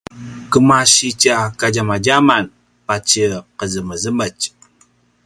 kemasitja kadjamadjaman patje qezemezemetj